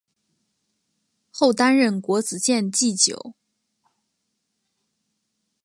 后担任国子监祭酒。